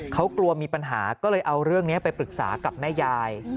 เขากลัวมีปัญหาก็เลยเอาเรื่องนี้ไปปรึกษากับแม่ยาย